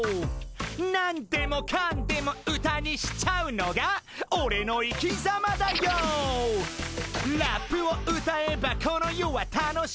「何でもかんでも歌にしちゃうのがオレの生きざまダＹＯ」「ラップを歌えばこの世は楽し」